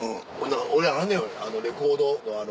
俺あんのよレコードのあの。